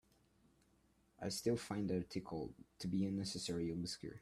I still find the article to be unnecessarily obscure.